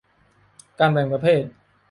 การแบ่งประเภท